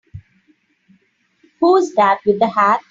Who's that with the hat?